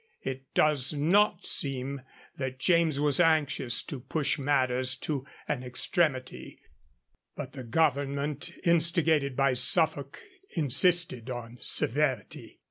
It does not seem that James was anxious to push matters to an extremity; but the Government, instigated by Suffolk, insisted on severity.